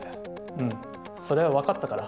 うんそれはわかったから。